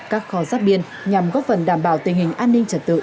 các kho giáp biên nhằm góp phần đảm bảo tình hình an ninh trật tự trên địa bàn